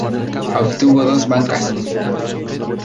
Obtuvo dos bancas.